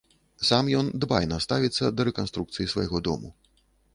Сам ён дбайна ставіцца да рэканструкцыі свайго дому.